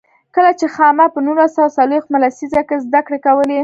کله چې خاما په نولس سوه څلوېښت مه لسیزه کې زده کړې کولې.